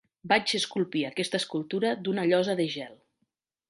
Vaig esculpir aquesta escultura d'una llosa de gel.